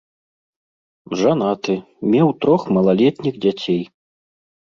Жанаты, меў трох малалетніх дзяцей.